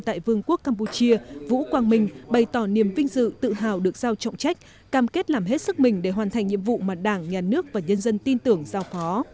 tại vương quốc campuchia vũ quang minh bày tỏ niềm vinh dự tự hào được giao trọng trách cam kết làm hết sức mình để hoàn thành nhiệm vụ mà đảng nhà nước và nhân dân tin tưởng giao phó